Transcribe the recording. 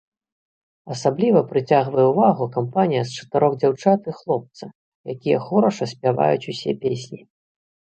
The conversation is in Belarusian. Асабліва прыцягвае ўвагу кампанія з чатырох дзяўчат і хлопца, якія хораша спяваюць усе песні.